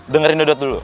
dengarin daudot dulu